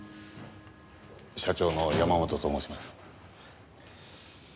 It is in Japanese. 社長の山本と申します。